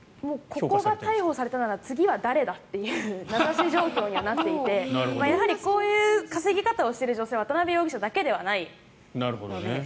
ここが逮捕されたなら次は誰だという名指し状況になっていてこういう稼ぎ方をしている女性は渡邊容疑者だけではないので。